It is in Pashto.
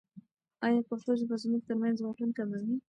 ایا پښتو ژبه زموږ ترمنځ واټن کموي؟